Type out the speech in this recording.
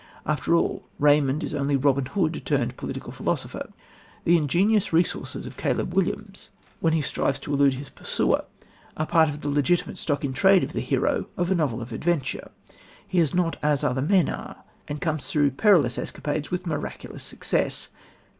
After all, Raymond is only Robin Hood turned political philosopher. The ingenious resources of Caleb Williams when he strives to elude his pursuer are part of the legitimate stock in trade of the hero of a novel of adventure. He is not as other men are, and comes through perilous escapades with miraculous success.